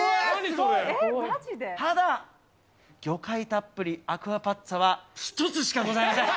ただ、魚介たっぷりアクアパッツァは１つしかございません。